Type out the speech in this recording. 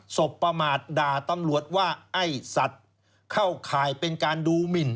ประมาทด่าตำรวจว่าไอ้สัตว์เข้าข่ายเป็นการดูหมิน